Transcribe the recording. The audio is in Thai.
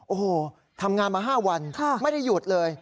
โอ้โหทำงานมา๕วันไม่ได้หยุดเลย